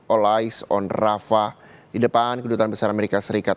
all eyes on rafa di depan kedutuan besar amerika serikat